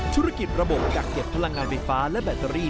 ธุรกิจระบบกักเก็บพลังงานไฟฟ้าและแบตเตอรี่